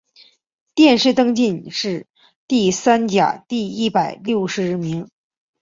殿试登进士第三甲第一百六十名。